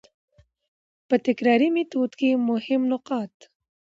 په تکراري ميتود کي مهم نقاط: